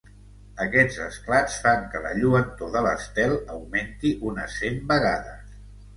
Aquests esclats fan que la lluentor de l'estel augmenti unes cent vegades.